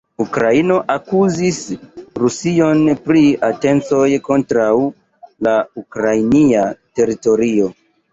Ukrainio akuzis Rusion pri atencoj kontraŭ la ukrainia teritorio.